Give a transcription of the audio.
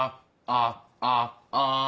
あああ！